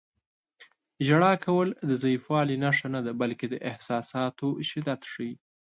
• ژړا کول د ضعیفوالي نښه نه ده، بلکې د احساساتو شدت ښيي.